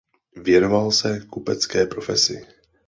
Věnoval se kupecké profesi.